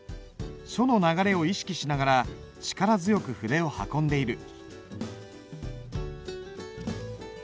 書の流れを意識しながら力強く筆を運んでいる。